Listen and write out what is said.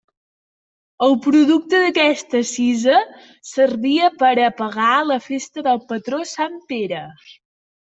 El producte d'aquesta cisa servia per a pagar la festa del patró sant Pere.